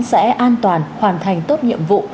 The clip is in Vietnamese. sẽ an toàn hoàn thành tốt nhiệm vụ